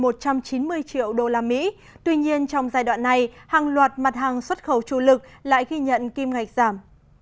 bốn mươi triệu đô la mỹ tuy nhiên trong giai đoạn này hàng loạt mặt hàng xuất khẩu chủ lực lại ghi nhận kim ngạch giảm